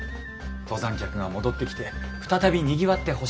登山客が戻ってきて再びにぎわってほしい。